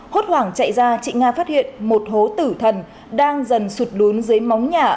hốt hoảng chạy ra chị nga phát hiện một hố tử thần đang dần sụt lún dưới móng nhà